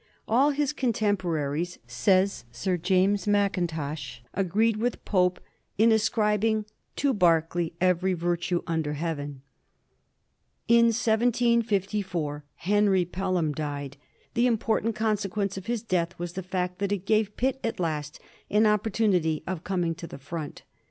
All his contempora ries, says Sir James Mackintosh, agreed with Pope in as cribing "To Berkeley every virtue under heaven.'* In 1754 Henry Pelham died. The important conse quence of his death was the fact that it gave Pitt at last an opportunity of coming to the front.